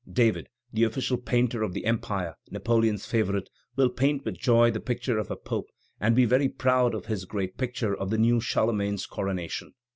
David, the official painter of the Empire, Napoleon's favorite, will paint with joy the picture of a pope, and be very proud of his great picture of the new Charlemagne's coronation.